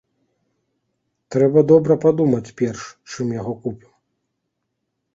Трэба добра падумаць перш, чым яго купім.